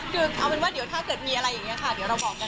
คือเอาเป็นว่าถ้าเกิดมีอะไรอย่างนี้ค่ะ